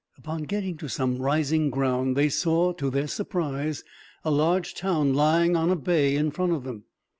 Upon getting to some rising ground, they saw, to their surprise, a large town lying on a bay in front of them.